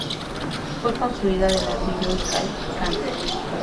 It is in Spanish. Fue construida de ladrillo y cal y canto.